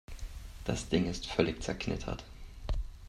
Das Ding ist völlig zerknittert.